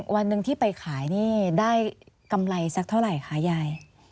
วันหนึ่งที่ไปขายนี่ได้กำไรสักเท่าไหร่คะยาย